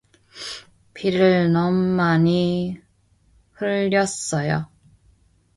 피를 너무 많이 흘렸어요.